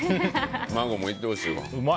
孫も行ってほしいわ。